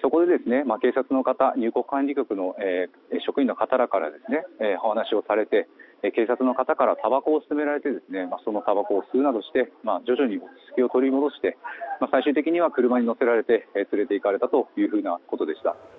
そこで警察の方入国管理局の職員の方からお話をされて警察の方からたばこを勧められてそのたばこを吸うなどして徐々に落ち着きを取り戻して最終的には車に乗せられて連れていかれたというふうなことでした。